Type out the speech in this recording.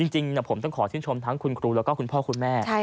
จริงผมต้องขอชื่นชมทั้งคุณครูแล้วก็คุณพ่อคุณแม่